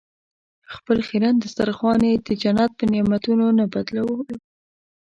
خپل خیرن دسترخوان یې د جنت په نعمتونو نه بدلولو.